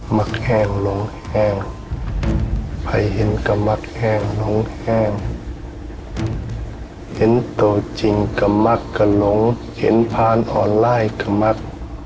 มักแห้งลงแห้งใครเห็นก็มักแห้งลงแห้งเห็นตัวจริงกระมักกระหลงเห็นผ่านออนไลน์กระมัก